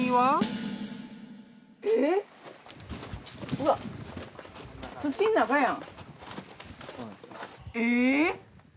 うわっ。え？